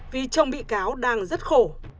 vì chồng bị cáo đang rất khổ